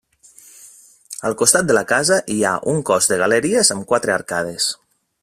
Al costat de la casa hi ha un cos de galeries amb quatre arcades.